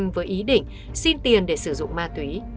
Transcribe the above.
với ý định xin tiền để sử dụng ma túy